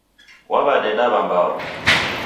Wawadeda mmbao